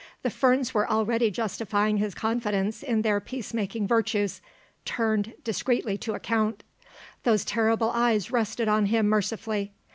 The ferns were already justifying his confidence in their peace making virtues, turned discreetly to account. Those terrible eyes rested on him mercifully.